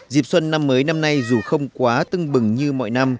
dịp xuân năm mới năm nay dù không quá tưng bừng như mọi năm